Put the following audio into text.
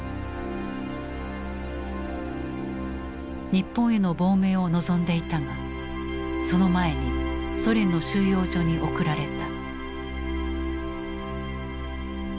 日本への亡命を望んでいたがその前にソ連の収容所に送られた。